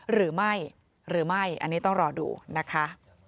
หรือไม่หรือไม่อันนี้ต้องรอดูนะคะ